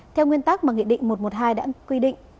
theo nguyên tắc mà nghị định một trăm một mươi hai đã quy định